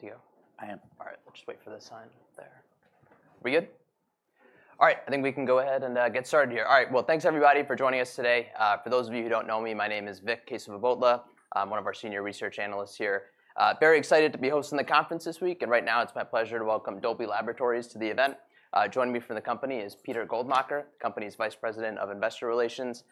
Good to go? I am. All right, we'll just wait for the sign there. We good? All right, I think we can go ahead and get started here. All right, well, thanks everybody for joining us today. For those of you who don't know me, my name is Vik Kesavabhotla. I'm one of our senior research analysts here. Very excited to be hosting the conference this week, and right now it's my pleasure to welcome Dolby Laboratories to the event. Joining me from the company is Peter Goldmacher, the company's Vice President of Investor Relations.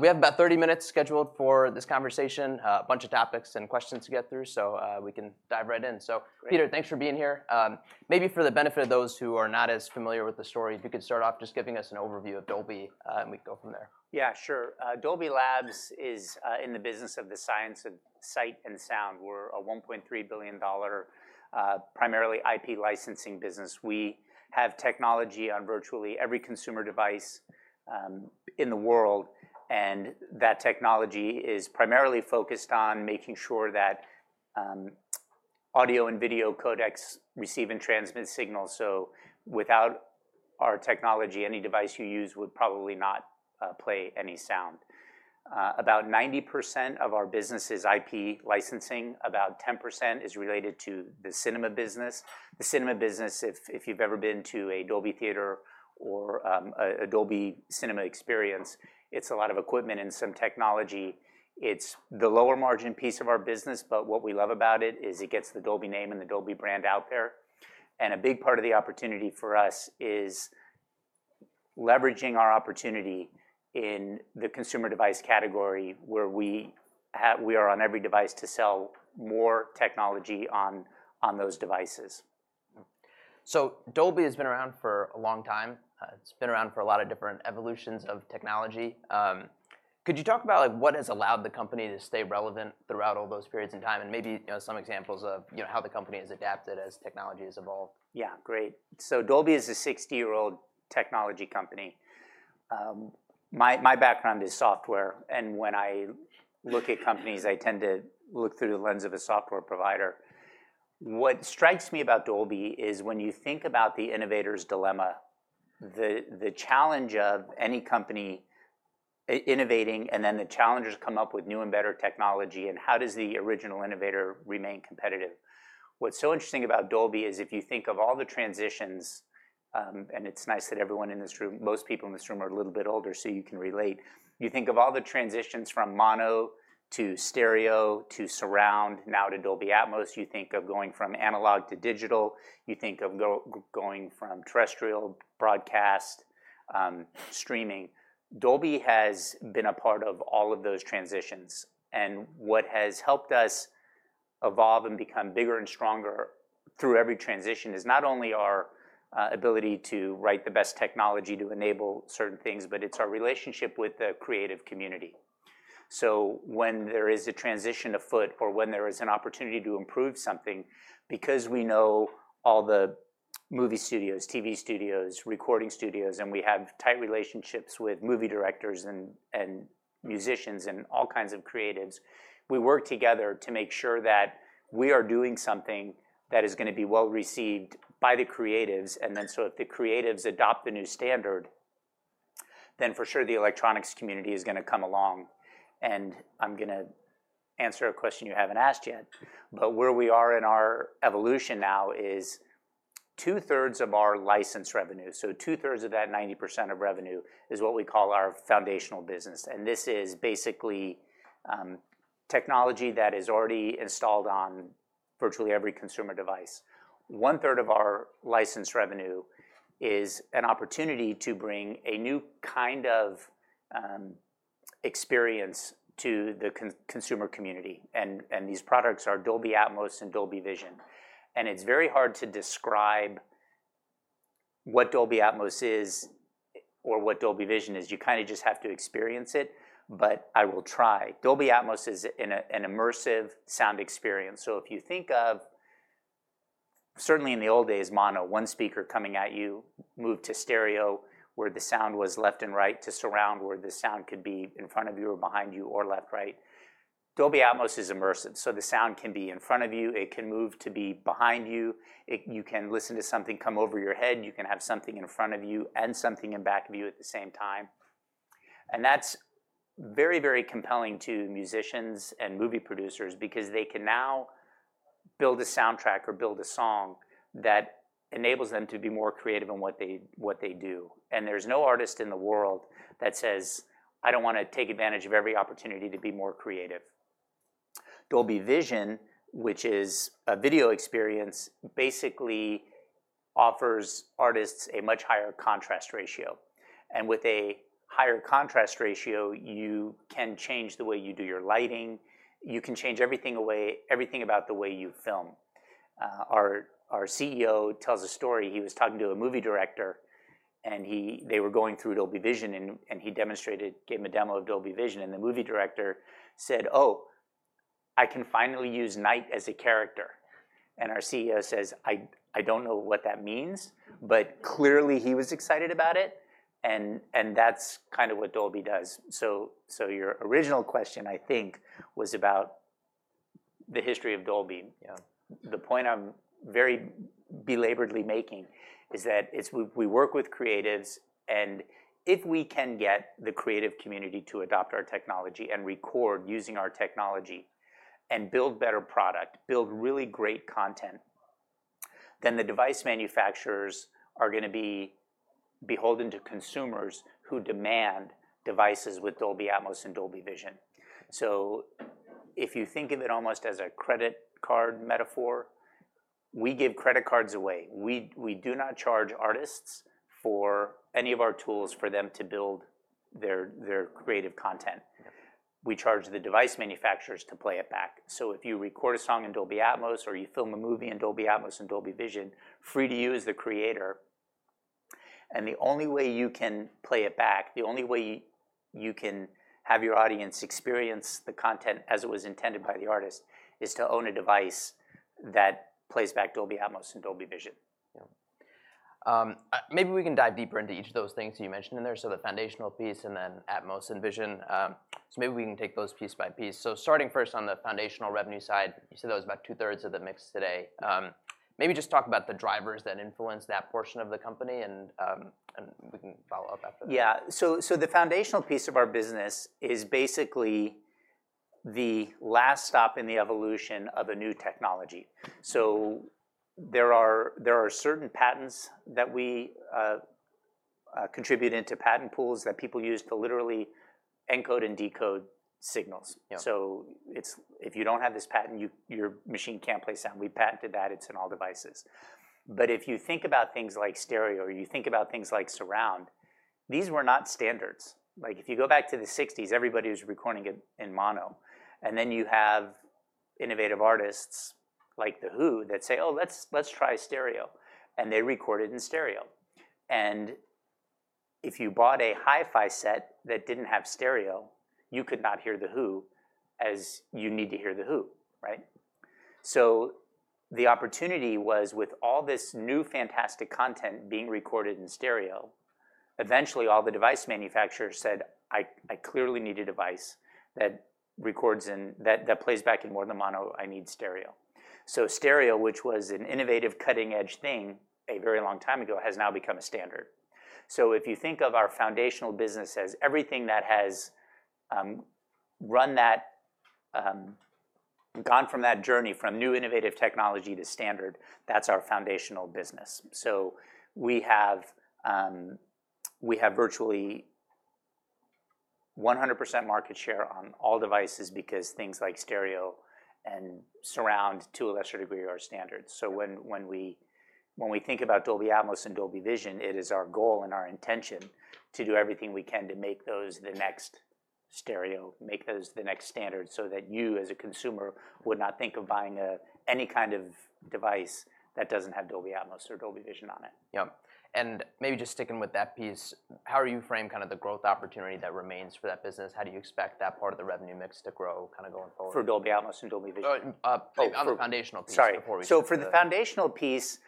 We have about 30 minutes scheduled for this conversation, a bunch of topics and questions to get through, so we can dive right in. Great. Peter, thanks for being here. Maybe for the benefit of those who are not as familiar with the story, if you could start off just giving us an overview of Dolby, and we can go from there. Yeah, sure. Dolby Labs is in the business of the science of sight and sound. We're a $1.3 billion, primarily IP licensing business. We have technology on virtually every consumer device in the world, and that technology is primarily focused on making sure that audio and video codecs receive and transmit signals. So without our technology, any device you use would probably not play any sound. About 90% of our business is IP licensing, about 10% is related to the cinema business. The cinema business, if you've ever been to a Dolby Theatre or a Dolby Cinema experience, it's a lot of equipment and some technology. It's the lower margin piece of our business, but what we love about it is it gets the Dolby name and the Dolby brand out there. A big part of the opportunity for us is leveraging our opportunity in the consumer device category, where we are on every device to sell more technology on those devices. So Dolby has been around for a long time. It's been around for a lot of different evolutions of technology. Could you talk about, like, what has allowed the company to stay relevant throughout all those periods in time, and maybe, you know, some examples of, you know, how the company has adapted as technology has evolved? Yeah, great. So Dolby is a 60-year-old technology company. My background is software, and when I look at companies, I tend to look through the lens of a software provider. What strikes me about Dolby is when you think about the innovator's dilemma, the challenge of any company innovating, and then the challengers come up with new and better technology, and how does the original innovator remain competitive? What's so interesting about Dolby is if you think of all the transitions, and it's nice that everyone in this room, most people in this room are a little bit older, so you can relate. You think of all the transitions from mono to stereo to surround, now to Dolby Atmos. You think of going from analog to digital, you think of going from terrestrial broadcast, streaming. Dolby has been a part of all of those transitions, and what has helped us evolve and become bigger and stronger through every transition is not only our ability to write the best technology to enable certain things, but it's our relationship with the creative community. So when there is a transition afoot, or when there is an opportunity to improve something, because we know all the movie studios, TV studios, recording studios, and we have tight relationships with movie directors and musicians, and all kinds of creatives, we work together to make sure that we are doing something that is gonna be well-received by the creatives. And then, so if the creatives adopt the new standard, then for sure the electronics community is gonna come along. And I'm gonna answer a question you haven't asked yet, but where we are in our evolution now is two-thirds of our licensed revenue, so two-thirds of that 90% of revenue, is what we call our foundational business, and this is basically technology that is already installed on virtually every consumer device. One-third of our licensed revenue is an opportunity to bring a new kind of experience to the consumer community, and these products are Dolby Atmos and Dolby Vision. It's very hard to describe what Dolby Atmos is or what Dolby Vision is, you kinda just have to experience it, but I will try. Dolby Atmos is an immersive sound experience. So if you think of... Certainly in the old days, mono, one speaker coming at you, moved to stereo, where the sound was left and right, to surround, where the sound could be in front of you or behind you or left, right. Dolby Atmos is immersive, so the sound can be in front of you, it can move to be behind you, you can listen to something come over your head, you can have something in front of you and something in back of you at the same time. And that's very, very compelling to musicians and movie producers because they can now build a soundtrack or build a song that enables them to be more creative in what they, what they do. And there's no artist in the world that says, "I don't wanna take advantage of every opportunity to be more creative." Dolby Vision, which is a video experience, basically offers artists a much higher contrast ratio, and with a higher contrast ratio, you can change the way you do your lighting, you can change everything about the way you film. Our CEO tells a story. He was talking to a movie director, and they were going through Dolby Vision, and he demonstrated, gave him a demo of Dolby Vision. And the movie director said, "Oh, I can finally use night as a character." And our CEO says, "I don't know what that means," but clearly he was excited about it, and that's kind of what Dolby does. So your original question, I think, was about the history of Dolby. You know, the point I'm belaboredly making is that it's we, we work with creatives, and if we can get the creative community to adopt our technology and record using our technology, and build better product, build really great content, then the device manufacturers are gonna be beholden to consumers who demand devices with Dolby Atmos and Dolby Vision. So if you think of it almost as a credit card metaphor, we give credit cards away. We, we do not charge artists for any of our tools for them to build their, their creative content. Yep. We charge the device manufacturers to play it back. So if you record a song in Dolby Atmos, or you film a movie in Dolby Atmos and Dolby Vision, free to you as the creator, and the only way you can play it back, the only way you can have your audience experience the content as it was intended by the artist, is to own a device that plays back Dolby Atmos and Dolby Vision. Yeah. Maybe we can dive deeper into each of those things you mentioned in there, so the foundational piece and then Atmos and Vision. So maybe we can take those piece by piece. So starting first on the foundational revenue side, you said that was about two-thirds of the mix today. Maybe just talk about the drivers that influence that portion of the company, and we can follow up after that. Yeah. So the foundational piece of our business is basically the last stop in the evolution of a new technology. So there are certain patents that we contribute into patent pools that people use to literally encode and decode signals. Yeah. So, if you don't have this patent, you, your machine can't play sound. We patented that, it's in all devices. But if you think about things like stereo, or you think about things like surround, these were not standards. Like, if you go back to the '60s, everybody was recording in mono, and then you have innovative artists like The Who that say, "Oh, let's try stereo," and they recorded in stereo. If you bought a hi-fi set that didn't have stereo, you could not hear The Who as you need to hear The Who, right? So the opportunity was, with all this new, fantastic content being recorded in stereo, eventually all the device manufacturers said, "I clearly need a device that records in... That, that plays back in more than mono, I need stereo." So stereo, which was an innovative, cutting-edge thing a very long time ago, has now become a standard. So if you think of our foundational business as everything that has gone from that journey, from new innovative technology to standard, that's our foundational business. So we have virtually 100% market share on all devices because things like stereo and surround, to a lesser degree, are standard. So when we think about Dolby Atmos and Dolby Vision, it is our goal and our intention to do everything we can to make those the next stereo, make those the next standard, so that you, as a consumer, would not think of buying any kind of device that doesn't have Dolby Atmos or Dolby Vision on it. Yep, and maybe just sticking with that piece, how do you frame kind of the growth opportunity that remains for that business? How do you expect that part of the revenue mix to grow, kind of going forward? For Dolby Atmos and Dolby Vision? Uh, uh- Oh, uh- On the foundational piece- Sorry... before we get to the- So for the foundational piece,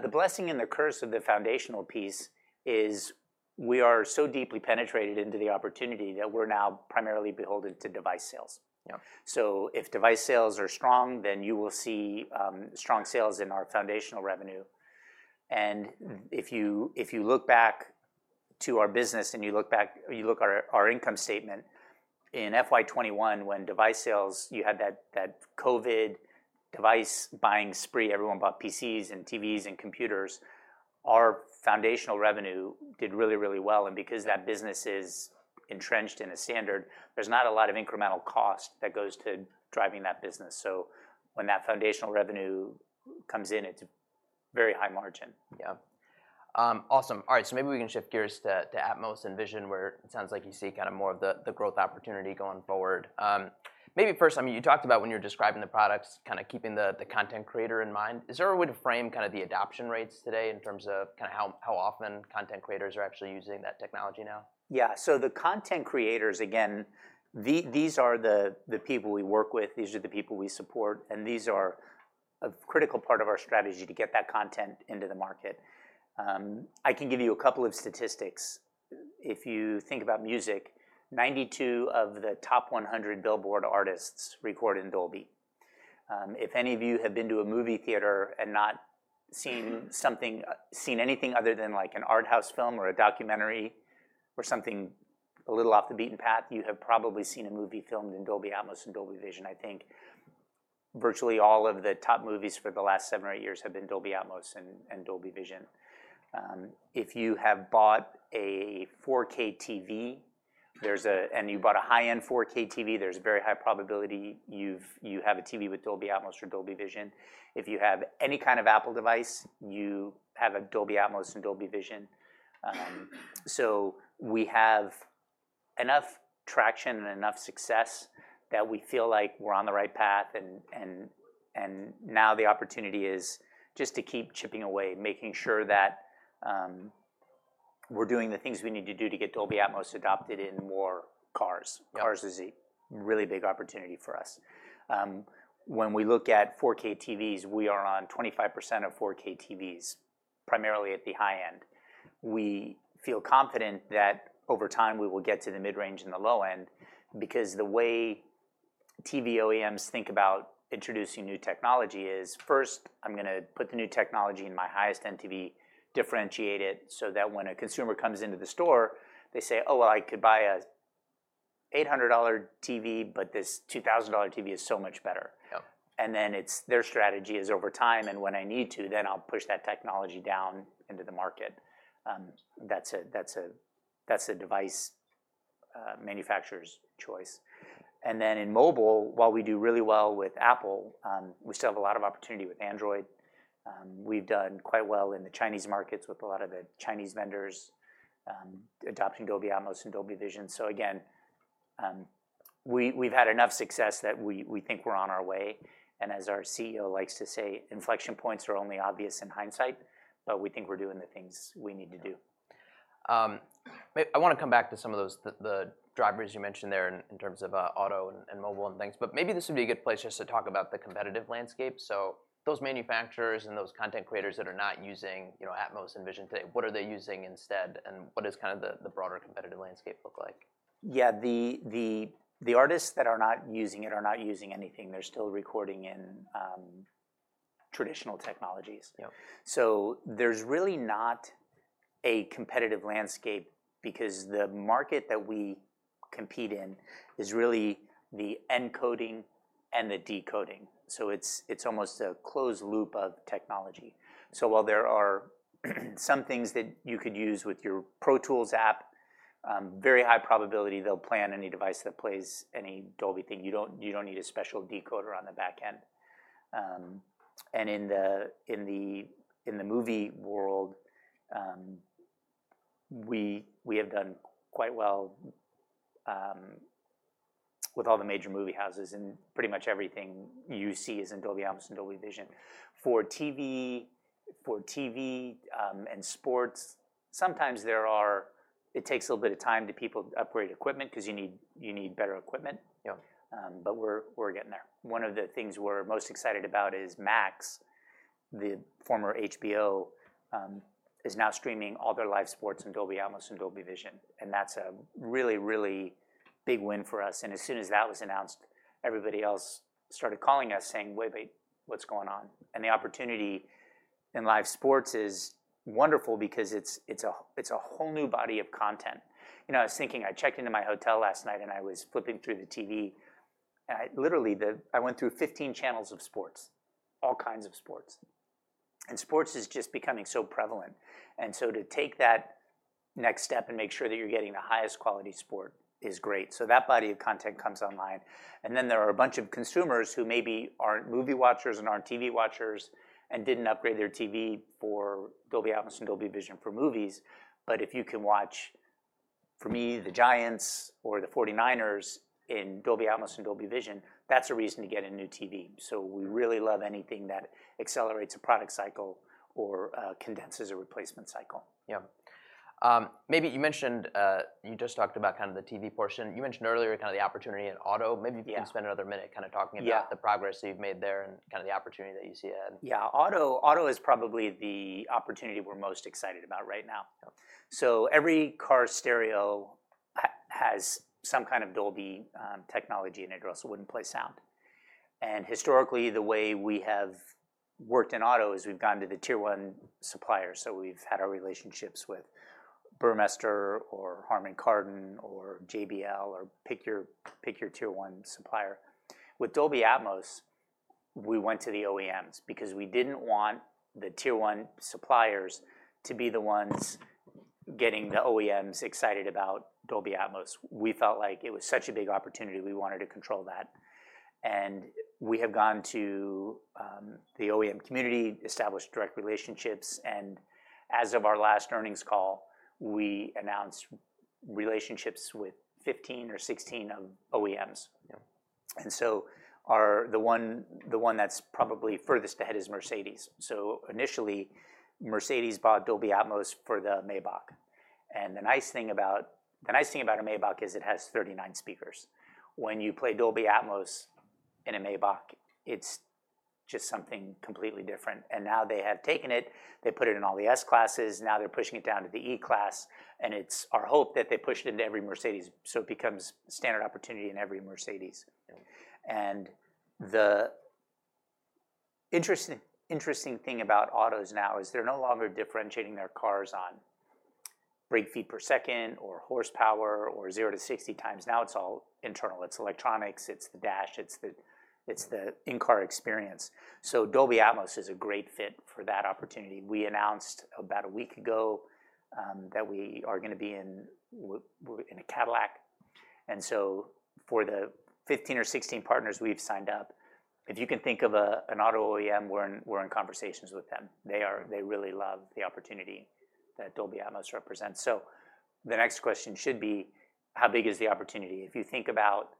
the blessing and the curse of the foundational piece is we are so deeply penetrated into the opportunity that we're now primarily beholden to device sales. Yep. So if device sales are strong, then you will see strong sales in our foundational revenue. And if you look back to our business, and you look back to our income statement in FY 2021, when device sales, you had that COVID device-buying spree, everyone bought PCs and TVs and computers, our foundational revenue did really, really well, and because that business is entrenched in a standard, there's not a lot of incremental cost that goes to driving that business. So when that foundational revenue comes in, it's very high margin. Yep. Awesome. All right, so maybe we can shift gears to, to Atmos and Vision, where it sounds like you see kind of more of the, the growth opportunity going forward. Maybe first, I mean, you talked about when you were describing the products, kind of keeping the, the content creator in mind. Is there a way to frame kind of the adoption rates today in terms of kind of how, how often content creators are actually using that technology now? Yeah. So the content creators, again, these are the people we work with, these are the people we support, and these are a critical part of our strategy to get that content into the market. I can give you a couple of statistics. If you think about music, 92 of the top 100 Billboard artists record in Dolby. If any of you have been to a movie theater and not seen something, seen anything other than, like, an art house film or a documentary or something a little off the beaten path, you have probably seen a movie filmed in Dolby Atmos and Dolby Vision. I think virtually all of the top movies for the last seven or eight years have been Dolby Atmos and Dolby Vision. If you have bought a 4K TV, there's a... If you bought a high-end 4K TV, there's a very high probability you have a TV with Dolby Atmos or Dolby Vision. If you have any kind of Apple device, you have a Dolby Atmos and Dolby Vision. So we have enough traction and enough success that we feel like we're on the right path, and now the opportunity is just to keep chipping away, making sure that we're doing the things we need to do to get Dolby Atmos adopted in more cars. Yep. Cars is a really big opportunity for us. When we look at 4K TVs, we are on 25% of 4K TVs, primarily at the high end. We feel confident that over time we will get to the mid-range and the low end, because TV OEMs think about introducing new technology is, first, I'm gonna put the new technology in my highest-end TV, differentiate it, so that when a consumer comes into the store, they say, "Oh, well, I could buy a $800 TV, but this $2,000 TV is so much better. Yep. And then their strategy is over time, and when I need to, then I'll push that technology down into the market. That's a device manufacturer's choice. And then in mobile, while we do really well with Apple, we still have a lot of opportunity with Android. We've done quite well in the Chinese markets with a lot of the Chinese vendors adopting Dolby Atmos and Dolby Vision. So again, we've had enough success that we think we're on our way, and as our CEO likes to say, "Inflection points are only obvious in hindsight," but we think we're doing the things we need to do. Maybe I wanna come back to some of those drivers you mentioned there in terms of auto and mobile and things, but maybe this would be a good place just to talk about the competitive landscape. So those manufacturers and those content creators that are not using, you know, Atmos and Vision today, what are they using instead, and what does kind of the broader competitive landscape look like? Yeah, the artists that are not using it are not using anything. They're still recording in traditional technologies. Yep. So there's really not a competitive landscape because the market that we compete in is really the encoding and the decoding. So it's almost a closed loop of technology. So while there are some things that you could use with your Pro Tools app, very high probability they'll play on any device that plays any Dolby thing. You don't need a special decoder on the back end. And in the movie world, we have done quite well with all the major movie houses, and pretty much everything you see is in Dolby Atmos and Dolby Vision. For TV and sports, sometimes there are... It takes a little bit of time for people to upgrade equipment 'cause you need better equipment. Yep. But we're getting there. One of the things we're most excited about is Max, the former HBO, is now streaming all their live sports in Dolby Atmos and Dolby Vision, and that's a really, really big win for us. And as soon as that was announced, everybody else started calling us, saying, "Wait, wait, what's going on?" And the opportunity in live sports is wonderful because it's a whole new body of content. You know, I was thinking, I checked into my hotel last night, and I was flipping through the TV, and literally I went through 15 channels of sports, all kinds of sports, and sports is just becoming so prevalent. So to take that next step and make sure that you're getting the highest quality sport is great. That body of content comes online, and then there are a bunch of consumers who maybe aren't movie watchers and aren't TV watchers and didn't upgrade their TV for Dolby Atmos and Dolby Vision for movies. But if you can watch, for me, the Giants or the 49ers in Dolby Atmos and Dolby Vision, that's a reason to get a new TV. We really love anything that accelerates a product cycle or condenses a replacement cycle. Yep. Maybe you mentioned. You just talked about kind of the TV portion. You mentioned earlier kinda the opportunity in auto. Yeah. Maybe you can spend another minute kinda talking about- Yeah... the progress you've made there and kinda the opportunity that you see ahead. Yeah. Auto, auto is probably the opportunity we're most excited about right now. Yep. Every car stereo has some kind of Dolby technology in it, or else it wouldn't play sound. Historically, the way we have worked in auto is we've gone to the tier one suppliers. We've had our relationships with Burmester or Harman Kardon or JBL or pick your, pick your tier one supplier. With Dolby Atmos, we went to the OEMs because we didn't want the tier one suppliers to be the ones getting the OEMs excited about Dolby Atmos. We felt like it was such a big opportunity, we wanted to control that. We have gone to the OEM community, established direct relationships, and as of our last earnings call, we announced relationships with 15 or 16 OEMs. Yep. The one that's probably furthest ahead is Mercedes. So initially, Mercedes bought Dolby Atmos for the Maybach, and the nice thing about a Maybach is it has 39 speakers. When you play Dolby Atmos in a Maybach, it's just something completely different. And now they have taken it, they put it in all the S-Class, now they're pushing it down to the E-Class, and it's our hope that they push it into every Mercedes so it becomes a standard opportunity in every Mercedes. Yep. The interesting, interesting thing about autos now is they're no longer differentiating their cars on brake feet per second or horsepower or 0-60 times. Now, it's all internal. It's electronics, it's the dash, it's the in-car experience. So Dolby Atmos is a great fit for that opportunity. We announced about a week ago that we are gonna be in a Cadillac. And so for the 15 or 16 partners we've signed up, if you can think of an auto OEM, we're in conversations with them. They really love the opportunity that Dolby Atmos represents. So the next question should be: How big is the opportunity? If you think about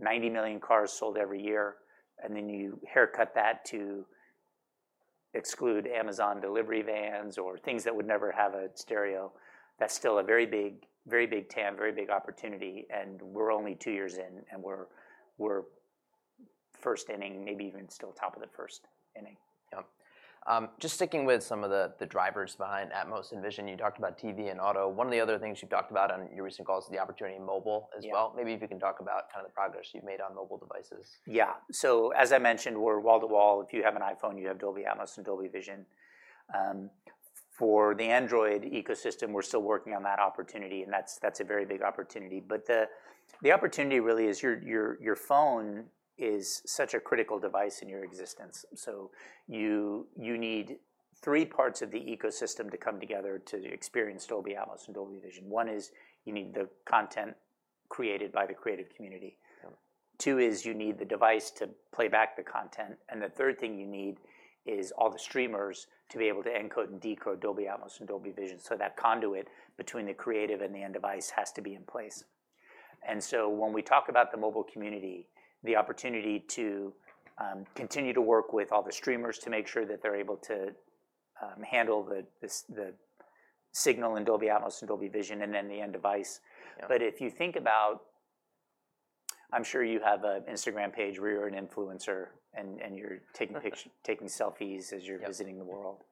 90 million cars sold every year, and then you haircut that to exclude Amazon delivery vans or things that would never have a stereo, that's still a very big, very big TAM, very big opportunity, and we're only 2 years in, and we're first inning, maybe even still top of the first inning. Yep. Just sticking with some of the drivers behind Atmos and Vision. You talked about TV and auto. One of the other things you've talked about on your recent call is the opportunity in mobile as well. Yeah. Maybe if you can talk about kind of the progress you've made on mobile devices. Yeah. So as I mentioned, we're wall-to-wall. If you have an iPhone, you have Dolby Atmos and Dolby Vision. For the Android ecosystem, we're still working on that opportunity, and that's a very big opportunity. But the opportunity really is your phone is such a critical device in your existence, so you need three parts of the ecosystem to come together to experience Dolby Atmos and Dolby Vision. One is you need the content created by the creative community. Yeah. Two is you need the device to play back the content, and the third thing you need is all the streamers to be able to encode and decode Dolby Atmos and Dolby Vision. So that conduit between the creative and the end device has to be in place. And so when we talk about the mobile community, the opportunity to continue to work with all the streamers to make sure that they're able to handle the signal in Dolby Atmos and Dolby Vision, and then the end device. Yeah. But if you think about... I'm sure you have an Instagram page where you're an influencer and you're taking picture, taking selfies as you're— Yep... visiting the world.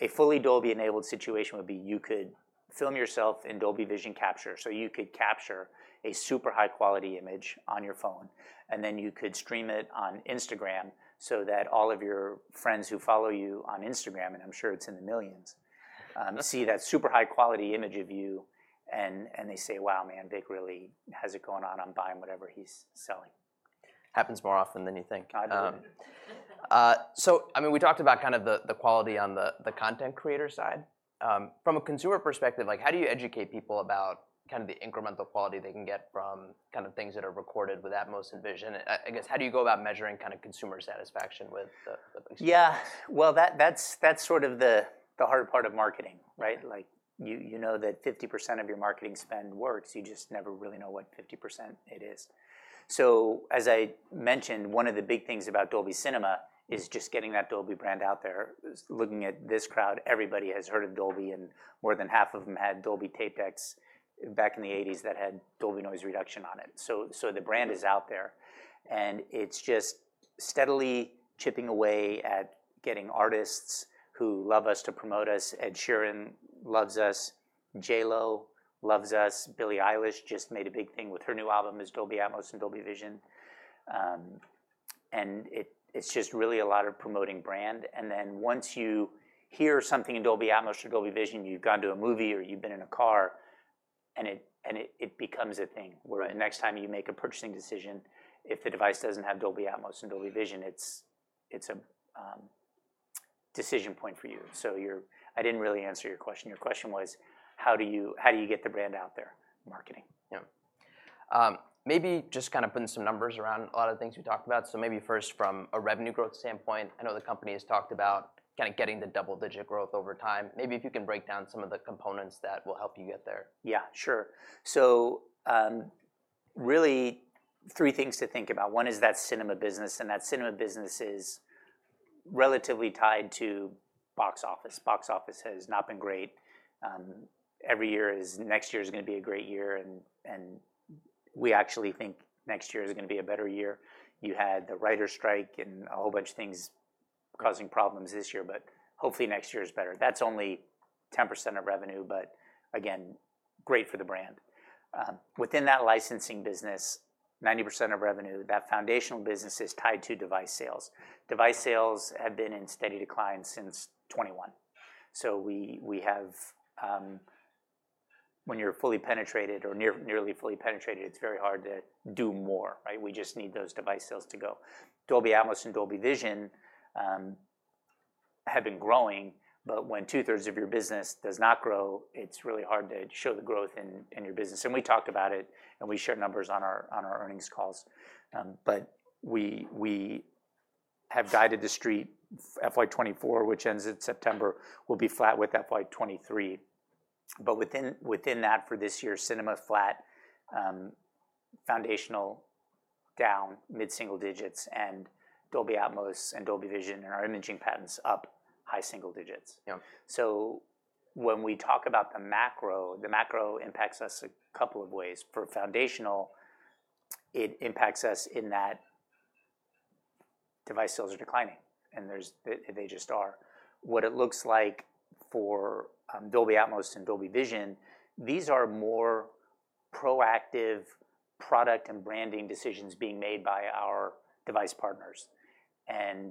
A fully Dolby-enabled situation would be you could film yourself in Dolby Vision capture. So you could capture a super high-quality image on your phone, and then you could stream it on Instagram so that all of your friends who follow you on Instagram, and I'm sure it's in the millions... see that super high-quality image of you, and they say, "Wow, man, Vik really has it going on. I'm buying whatever he's selling. Happens more often than you think. I believe it. So I mean, we talked about kind of the quality on the content creator side. From a consumer perspective, like, how do you educate people about kind of the incremental quality they can get from kind of things that are recorded with Atmos and Vision? I guess, how do you go about measuring kind of consumer satisfaction with the Yeah. Well, that's sort of the hard part of marketing, right? Like you know that 50% of your marketing spend works, you just never really know what 50% it is. So, as I mentioned, one of the big things about Dolby Cinema is just getting that Dolby brand out there. Just looking at this crowd, everybody has heard of Dolby, and more than half of them had Dolby tape decks back in the '80s that had Dolby Noise Reduction on it. So the brand is out there, and it's just steadily chipping away at getting artists who love us to promote us. Ed Sheeran loves us. J.Lo loves us. Billie Eilish just made a big thing with her new album as Dolby Atmos and Dolby Vision. And it’s just really a lot of promoting brand, and then once you hear something in Dolby Atmos or Dolby Vision, you’ve gone to a movie, or you’ve been in a car, and it becomes a thing. Right... where next time you make a purchasing decision, if the device doesn't have Dolby Atmos and Dolby Vision, it's a decision point for you. So you're... I didn't really answer your question. Your question was: how do you get the brand out there? Marketing. Yeah. Maybe just kind of putting some numbers around a lot of the things you talked about. So maybe first from a revenue growth standpoint, I know the company has talked about kind of getting to double-digit growth over time. Maybe if you can break down some of the components that will help you get there. Yeah, sure. So, really three things to think about. One is that cinema business, and that cinema business is relatively tied to box office. Box office has not been great. Every year is, "Next year's gonna be a great year," and we actually think next year is gonna be a better year. You had the writers' strike and a whole bunch of things causing problems this year, but hopefully next year is better. That's only 10% of revenue, but again, great for the brand. Within that licensing business, 90% of revenue, that foundational business, is tied to device sales. Device sales have been in steady decline since 2021, so we have... When you're fully penetrated or nearly fully penetrated, it's very hard to do more, right? We just need those device sales to go. Dolby Atmos and Dolby Vision have been growing, but when two-thirds of your business does not grow, it's really hard to show the growth in your business. And we talked about it, and we share numbers on our earnings calls. But we have guided the Street. FY2024, which ends in September, will be flat with FY2023. But within that for this year, cinema flat, foundational down mid-single digits, and Dolby Atmos and Dolby Vision and our imaging patents up high single digits. Yeah. So when we talk about the macro, the macro impacts us a couple of ways. For foundational, it impacts us in that device sales are declining, and they just are. What it looks like for Dolby Atmos and Dolby Vision, these are more proactive product and branding decisions being made by our device partners. And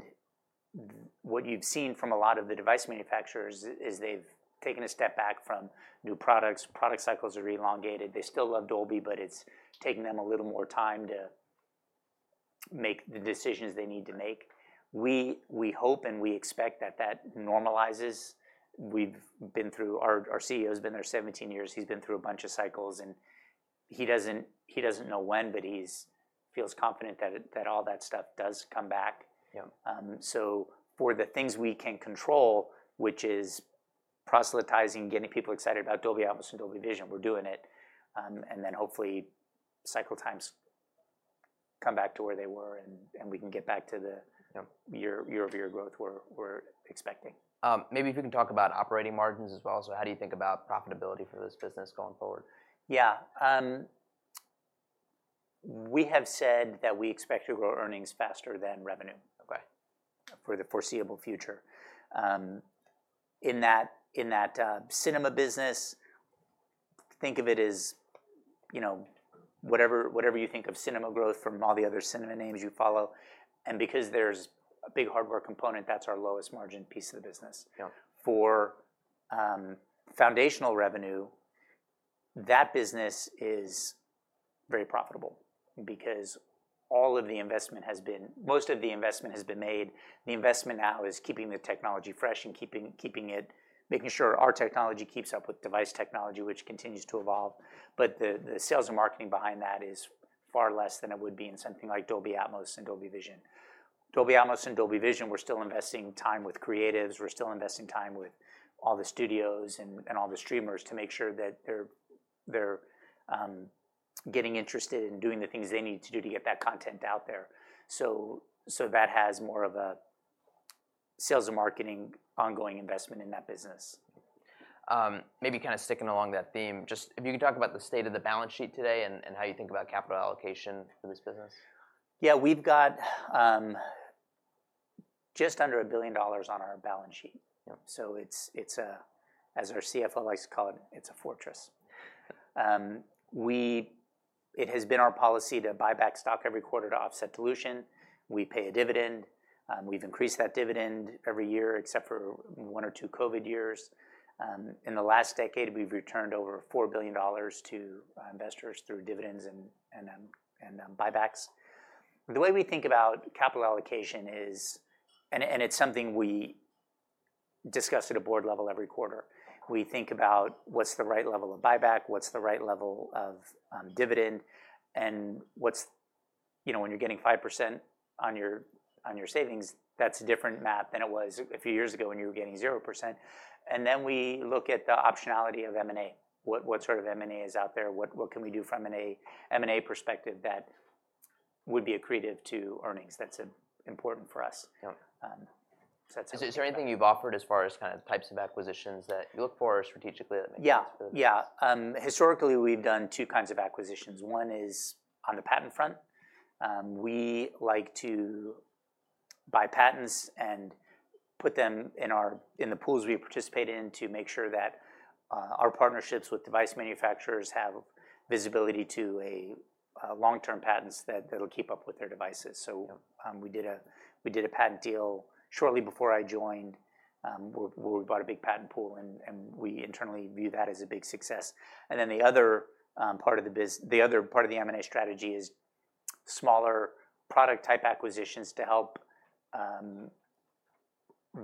what you've seen from a lot of the device manufacturers is they've taken a step back from new products. Product cycles are elongated. They still love Dolby, but it's taking them a little more time to make the decisions they need to make. We hope and we expect that that normalizes. We've been through... Our CEO's been there 17 years. He's been through a bunch of cycles, and he doesn't know when, but he feels confident that all that stuff does come back. Yeah. So for the things we can control, which is proselytizing, getting people excited about Dolby Atmos and Dolby Vision, we're doing it. And then hopefully, cycle times come back to where they were, and we can get back to the, you know, year-over-year growth we're expecting. Maybe if you can talk about operating margins as well. How do you think about profitability for this business going forward? Yeah, we have said that we expect to grow earnings faster than revenue- Okay... for the foreseeable future. In that cinema business, think of it as, you know, whatever, whatever you think of cinema growth from all the other cinema names you follow, and because there's a big hardware component, that's our lowest margin piece of the business. Yeah. For foundational revenue, that business is very profitable because most of the investment has been made. The investment now is keeping the technology fresh and making sure our technology keeps up with device technology, which continues to evolve. But the sales and marketing behind that is far less than it would be in something like Dolby Atmos and Dolby Vision. Dolby Atmos and Dolby Vision, we're still investing time with creatives. We're still investing time with all the studios and all the streamers to make sure that they're getting interested in doing the things they need to do to get that content out there. So that has more of a sales and marketing ongoing investment in that business. Maybe kind of sticking along that theme, just if you could talk about the state of the balance sheet today, and, and how you think about capital allocation for this business? Yeah, we've got, just under $1 billion on our balance sheet. Yeah. So it's as our CFO likes to call it, it's a fortress. It has been our policy to buy back stock every quarter to offset dilution. We pay a dividend, and we've increased that dividend every year except for one or two COVID years. In the last decade, we've returned over $4 billion to investors through dividends and buybacks. The way we think about capital allocation is, and it's something we discuss at a board level every quarter. We think about what's the right level of buyback, what's the right level of dividend, and what's, you know, when you're getting 5% on your savings, that's a different math than it was a few years ago when you were getting 0%. And then we look at the optionality of M&A. What, what sort of M&A is out there? What, what can we do from an M&A perspective that would be accretive to earnings? That's important for us. Yeah. So that's- Is there anything you've offered as far as kind of types of acquisitions that you look for strategically that make sense? Yeah, yeah. Historically, we've done two kinds of acquisitions. One is on the patent front. We like to buy patents and put them in our, in the pools we participate in, to make sure that our partnerships with device manufacturers have visibility to a long-term patents that that'll keep up with their devices. Yeah. So, we did a patent deal shortly before I joined, where we bought a big patent pool, and we internally view that as a big success. And then the other part of the M&A strategy is smaller product-type acquisitions to help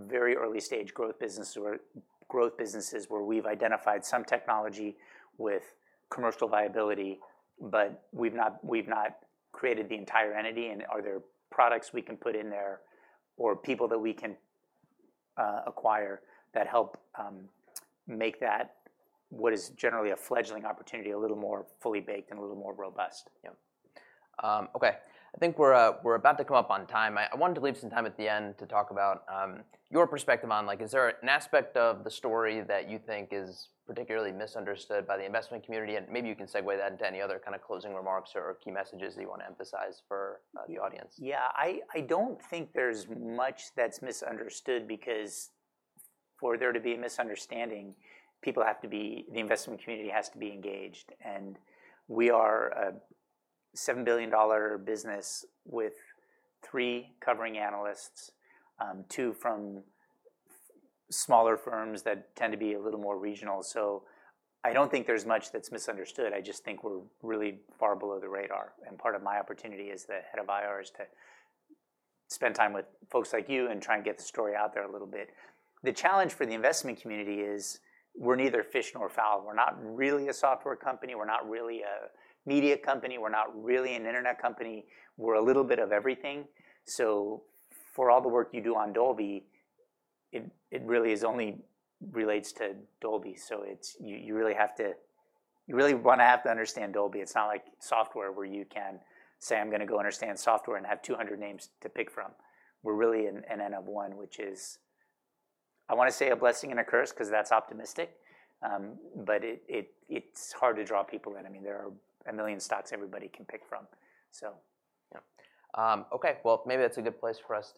very early-stage growth business or growth businesses where we've identified some technology with commercial viability, but we've not created the entire entity. And are there products we can put in there or people that we can acquire that help make that what is generally a fledgling opportunity a little more fully baked and a little more robust? Yeah. Okay, I think we're, we're about to come up on time. I, I wanted to leave some time at the end to talk about your perspective on, like, is there an aspect of the story that you think is particularly misunderstood by the investment community? And maybe you can segue that into any other kind of closing remarks or key messages that you want to emphasize for the audience. Yeah, I don't think there's much that's misunderstood because for there to be a misunderstanding, the investment community has to be engaged, and we are a $7 billion business with three covering analysts, two from smaller firms that tend to be a little more regional. So I don't think there's much that's misunderstood. I just think we're really far below the radar. And part of my opportunity as the head of IR is to spend time with folks like you and try and get the story out there a little bit. The challenge for the investment community is we're neither fish nor fowl. We're not really a software company, we're not really a media company, we're not really an internet company, we're a little bit of everything. So for all the work you do on Dolby, it really is only relates to Dolby. So it's... You really wanna have to understand Dolby. It's not like software, where you can say: I'm gonna go understand software and have 200 names to pick from. We're really an N of one, which is, I wanna say, a blessing and a curse 'cause that's optimistic. But it's hard to draw people in. I mean, there are 1 million stocks everybody can pick from, so... Yeah. Okay, well, maybe that's a good place for us to-